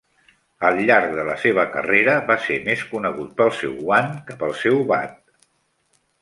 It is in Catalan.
Al llarg de la seva carrera, va ser més conegut pel seu guant que pel seu bat.